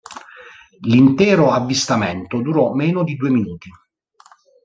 L'intero avvistamento durò meno di due minuti.